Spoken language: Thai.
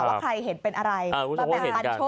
ว่าใครเห็นเป็นอะไรเออคุณผู้ชมว่าเห็นกัน